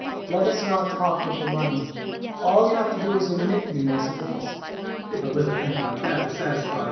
Let us not talk of the money. All you have to do is to admit me as a guest Colonel. If a little thing like that will satisfy you.